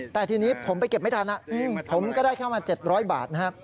แต่ทีนี้ผมไปเก็บไม่ทันผมก็ได้เข้ามา๗๐๐บาทนะครับ